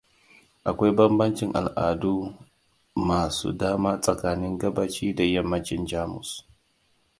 Akwai banbancin al'adu masu dama tsakanin gabaci da yammacin Jamus.